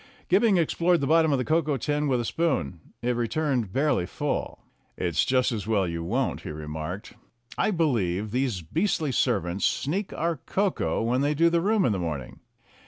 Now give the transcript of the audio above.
Gibbing explored the bottom of the cocoa tin with a spoon. It returned barely full. "It's just as well you won't," he remarked. "I believe these beastly servants sneak our cocoa when they do the room in the morning."